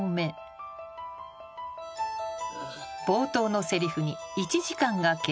［冒頭のせりふに］